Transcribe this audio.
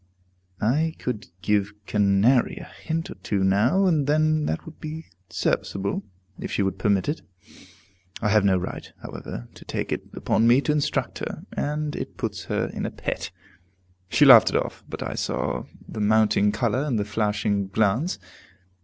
I could give Canary a hint or two now and then that would be serviceable, if she would permit it. I have no right, however, to take it upon me to instruct her, and it puts her in a pet. She laughed it off, but I saw the mounting color and the flashing glance.